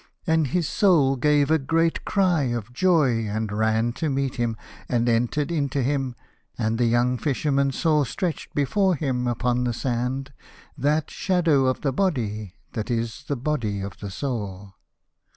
And his Soul gave a great cry of joy and ran to meet him, and entered into him, and the young Fisherman saw stretched before him upon the sand that shadow of the body that is the body of the Soul.